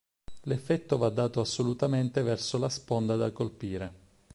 L'effetto va dato assolutamente verso la sponda da colpire.